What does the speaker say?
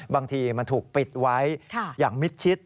บางทีมันถูกปิดไว้อย่างมิดชิด